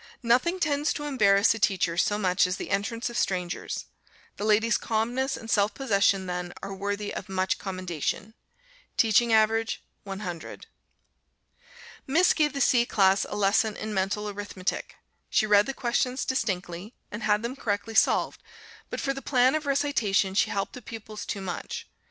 Nothing tends to embarrass a teacher so much as the entrance of strangers; the lady's calmness and self possession then are worthy of much commendation. Teaching average 100. Miss gave the C class a lesson in Mental Arithmetic. She read the questions distinctly, and had them correctly solved; but for the plan of recitation, she helped the pupils too much.